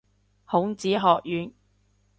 孔子學院